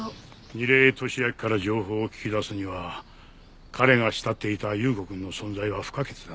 楡井敏秋から情報を聞き出すには彼が慕っていた有雨子くんの存在は不可欠だった。